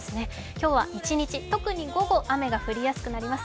今日は一日特に午後、雨が降りやすくなります。